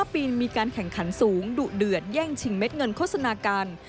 ปีนมีการแข่งขันสูงดุเดือดแย่งชิงเม็ดเงินโฆษณากัน